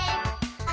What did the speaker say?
あ？